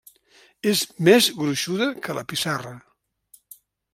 És més gruixuda que la pissarra.